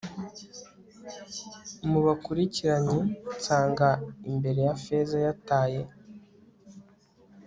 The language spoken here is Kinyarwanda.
mubakurikiranye nsanga imbere ya feza yataye